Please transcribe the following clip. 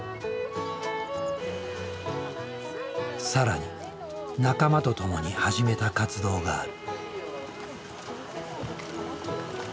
更に仲間と共に始めた活動がある。